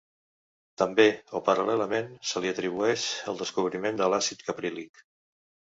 També -o paral·lelament- se li atribueix el descobriment de l'àcid caprílic.